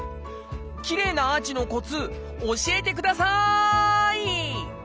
きれいなアーチのコツ教えてください！